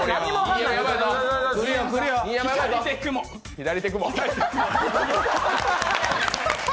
左手雲。